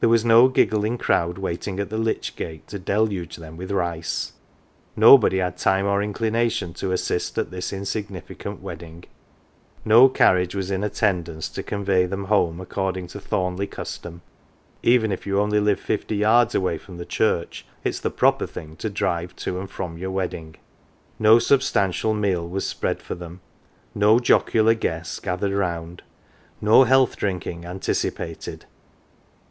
There was no giggling crowd waiting at the lych gate to deluge them with rice; nobody had time or inclination to assist at this insignificant wedding; 203 LITTLE PAUPERS no carnage was in attendance to convey them home according to Thornleigh custom even if you only live fifty yards away from the church it is the proper thing to drive to and from your wed ding ; no substantial meal was spread for them, no jocular guests gathered round, no health drinking antici pated.